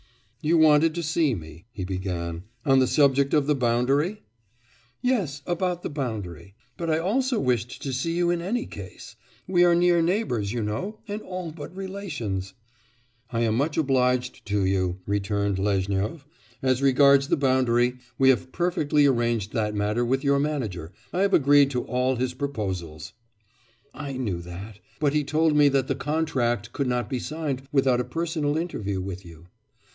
'You wanted to see me,' he began, 'on the subject of the boundary?' 'Yes; about the boundary. But I also wished to see you in any case. We are near neighbours, you know, and all but relations.' 'I am much obliged to you,' returned Lezhnyov. 'As regards the boundary, we have perfectly arranged that matter with your manager; I have agreed to all his proposals.' 'I knew that. But he told me that the contract could not be signed without a personal interview with you.